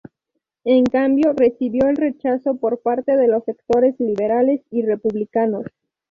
En cambio, recibió el rechazo por parte de los sectores liberales y republicanos.